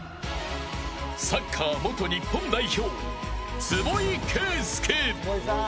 サッカー元日本代表坪井慶介。